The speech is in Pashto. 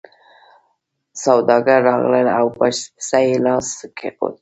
سوداګر راغلل او په پسه یې لاس کېښود.